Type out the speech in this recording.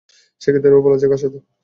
সে ক্ষেত্রে, ও পালাচ্ছে কার সাথে?